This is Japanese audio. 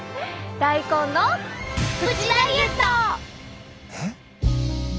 大根のえっ？